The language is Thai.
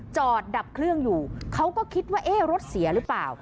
ดับเครื่องอยู่เขาก็คิดว่าเอ๊ะรถเสียหรือเปล่า